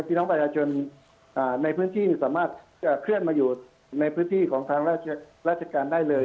พี่น้องประชาชนในพื้นที่สามารถจะเคลื่อนมาอยู่ในพื้นที่ของทางราชการได้เลย